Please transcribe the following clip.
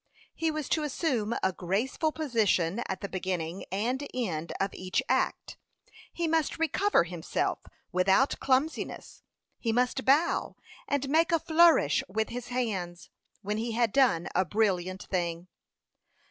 He was to assume a graceful position at the beginning and end of each act; he must recover himself without clumsiness; he must bow, and make a flourish with his hands, when he had done a brilliant thing.